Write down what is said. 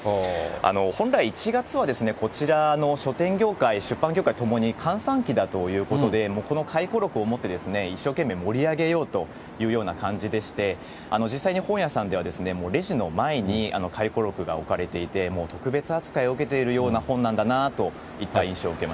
本来、１月はこちら、書店業界、出版業界ともに、閑散期だということで、この回顧録をもってですね、一生懸命盛り上げようというような感じでして、実際に本屋さんではレジの前に回顧録が置かれていて、もう特別扱いを受けているような本なんだなといった印象を受けま